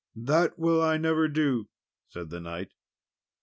"That will I never do," said the knight.